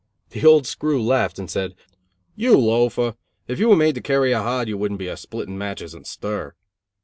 The old screw laughed and said; "You loafer, if you were made to carry a hod you wouldn't be a splitting matches in stir."